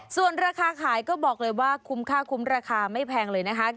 ส่วนราคาขายก็บอกเลยว่าคุ้มค่าคุ้มราคาไม่แพงเลยนะคะ